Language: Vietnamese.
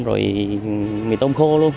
rồi mì tôm khô